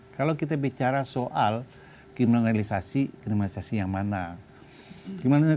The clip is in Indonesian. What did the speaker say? kalau kita bicara soal kriminalisasi kriminalisasi yang mana